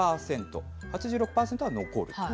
８６％は残ると。